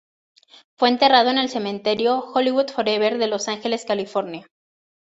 Fue enterrado en el Cementerio Hollywood Forever de Los Ángeles, California.